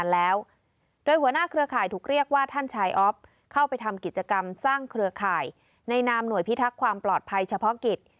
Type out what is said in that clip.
และรักความปลอดภัยเฉพาะกิจ